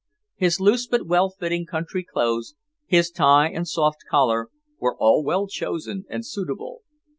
His loose but well fitting country clothes, his tie and soft collar, were all well chosen and suitable.